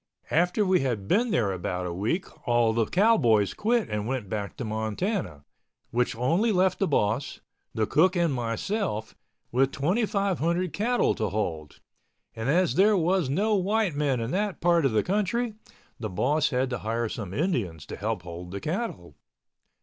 After we had been there about a week all the cowboys quit and went back to Montana, which only left the boss, the cook and myself with 2,500 cattle to hold, and as there was no white men in that part of the country, the boss had to hire some Indians to help hold the cattle.